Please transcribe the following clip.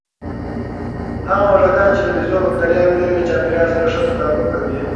هغه موږکان چې د بیزو بکتریاوې لري، د چاپېریال سره ښه تطابق کوي.